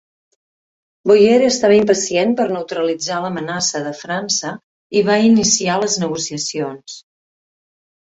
Boyer estava impacient per neutralitzar l'amenaça de França i va iniciar les negociacions.